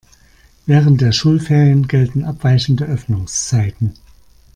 Während der Schulferien gelten abweichende Öffnungszeiten.